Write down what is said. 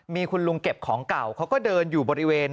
มีคุณลุงเก็บของเก่าเขาก็เดินอยู่บริเวณ